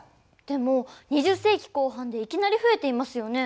でも２０世紀後半でいきなり増えていますよね。